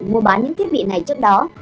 mua bán những thiết bị này trước đó